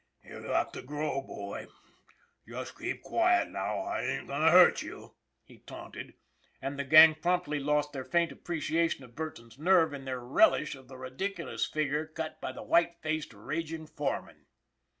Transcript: " You got to grow, boy ; just keep quiet now, I ain't going to hurt you," he taunted. And the gang promptly lost their faint appreciation of Burton's nerve in their relish of the ridiculous figure cut by the white faced, raging foreman.